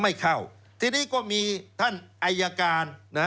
ไม่เข้าทีนี้ก็มีท่านอายการนะ